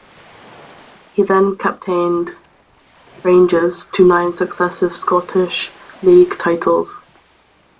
He then captained Rangers to nine successive Scottish league titles.